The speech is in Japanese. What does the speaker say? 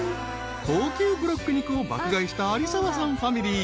［高級ブロック肉を爆買いした有澤さんファミリー］